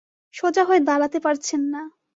সোজা হয়ে দাঁড়াতে পারছেন না।